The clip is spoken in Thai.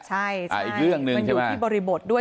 ใช่ใช่อีกเรื่องนึงใช่ไหมมันอยู่ที่บริบทด้วย